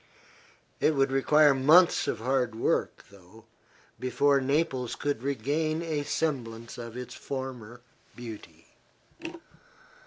It would require months of hard work, though, before Naples could regain a semblance of its former beauty.